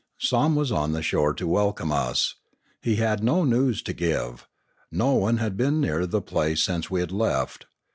Somm was on the shore to welcome us. He had no news to give. No one had been near the place since we had left.